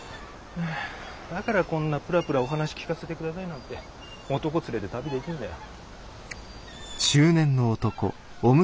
だからこんなプラプラお話聞かせてくださいなんて男連れて旅できんだよ。